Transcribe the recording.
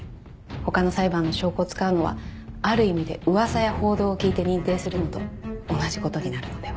他の裁判の証拠を使うのはある意味で噂や報道を聞いて認定するのと同じことになるのでは。